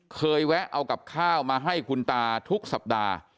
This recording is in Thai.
แวะเอากับข้าวมาให้คุณตาทุกสัปดาห์